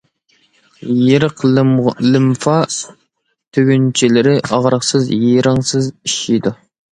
يىرىق لىمفا تۈگۈنچىلىرى ئاغرىقسىز، يىرىڭسىز ئىششىيدۇ.